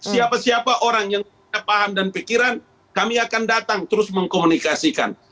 siapa siapa orang yang punya paham dan pikiran kami akan datang terus mengkomunikasikan